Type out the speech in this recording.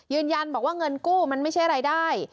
ยืนยันบอกว่าเงินกู้มันไม่ใช่รายได้